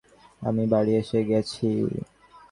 আমি বাড়ি এসে গেছি।